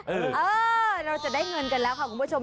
เออเราจะได้เงินกันแล้วค่ะคุณผู้ชม